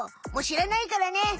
もう知らないからね！